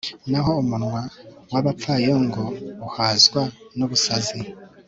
naho umunwa w'abapfayongo uhazwa n'ubusazi